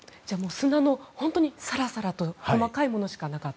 砂の本当にさらさらと細かいものしかなかった。